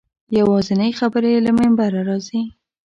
یوازینۍ خبرې له منبره راځي.